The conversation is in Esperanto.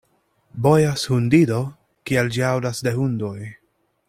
Bojas hundido, kiel ĝi aŭdas de hundoj.